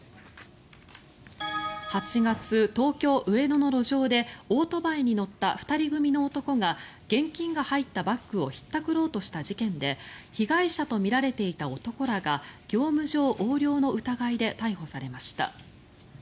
８月、東京・上野の路上でオートバイに乗った２人組の男が現金が入ったバッグをひったくろうとした事件で被害者とみられていた男らが業務上横領の疑いで逮捕されました。